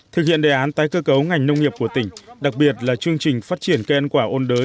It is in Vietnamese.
thực hiện đề án tái cơ cấu ngành nông nghiệp của tỉnh đặc biệt là chương trình phát triển cây ăn quả ôn đới